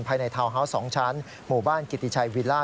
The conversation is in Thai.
ภายในทาวน์ฮาวส์๒ชั้นหมู่บ้านกิติชัยวิลล่า